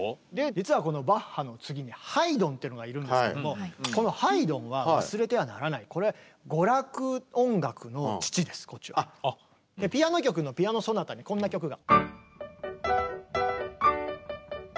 実はこのバッハの次にハイドンってのがいるんですけどもこのハイドンは忘れてはならないピアノ曲の「ピアノ・ソナタ」にこんな曲が。